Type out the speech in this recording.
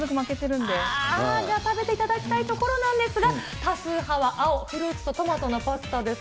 じゃあ、食べていただきたいところなんですが、多数派は青、フルーツとトマトのパスタです。